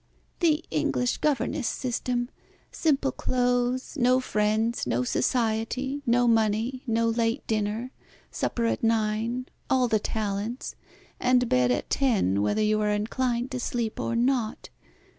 "The English governess system; simple clothes, no friends, no society, no money, no late dinner, supper at nine, all the talents, and bed at ten whether you are inclined to sleep or not.